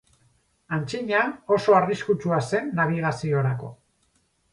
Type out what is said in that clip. Antzina, oso arriskutsua zen nabigaziorako.